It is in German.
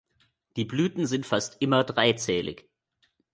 Die Blüten sind fast immer dreizählig.